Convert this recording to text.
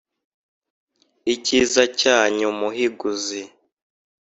Icyiza cyanyu Muhiguzi